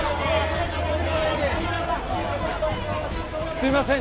すいません